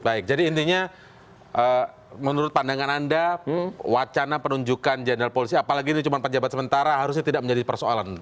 baik jadi intinya menurut pandangan anda wacana penunjukan jenderal polisi apalagi ini cuma pejabat sementara harusnya tidak menjadi persoalan